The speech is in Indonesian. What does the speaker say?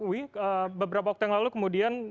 wi beberapa waktu yang lalu kemudian